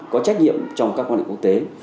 có trách nhiệm trong các quan hệ quốc tế